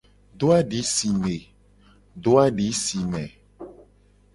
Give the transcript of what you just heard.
Do adi si me.